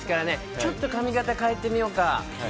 ちょっと髪形変えてみようか。